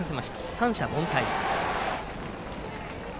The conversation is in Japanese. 三者凡退。